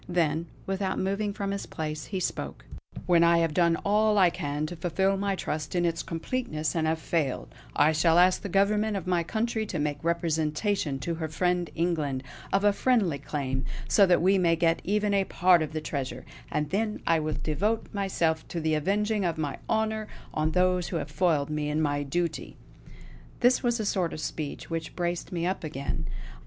Then, without moving from his place, he spoke: "When I have done all I can to fulfill my trust in its completeness, and have failed, I shall ask the government of my country to make representation to her friend England of a friendly claim, so that we may get even a part of the treasure; and then I will devote myself to the avenging of my honour on those who have foiled me in my duty!" This was a sort of speech which braced me up again.